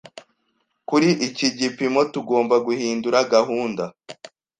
Kuri iki gipimo, tugomba guhindura gahunda